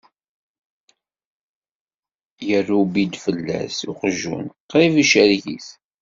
Yerrubbi-d fell-as uqjun, qrib icerreg-it.